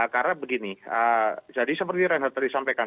karena begini jadi seperti reinhardt tadi sampaikan